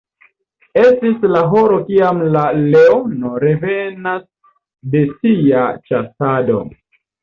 Estis la horo kiam la leono revenas de sia ĉasado.